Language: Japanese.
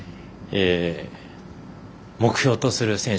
目標とする選手。